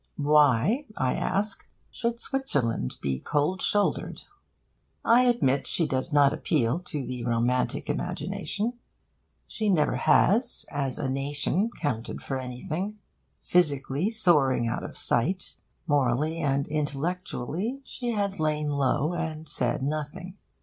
Why, I ask, should Switzerland be cold shouldered? I admit she does not appeal to the romantic imagination. She never has, as a nation, counted for anything. Physically soaring out of sight, morally and intellectually she has lain low and said nothing.